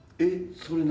それ何？